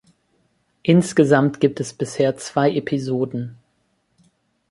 Insgesamt gibt es bisher zwei Episoden.